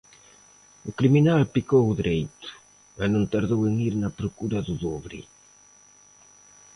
O criminal picou ó dereito e non tardou en ir na procura do dobre;